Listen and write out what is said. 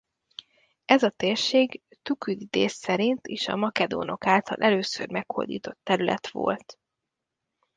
Ez a térség Thuküdidész szerint is a makedónok által először meghódított terület volt.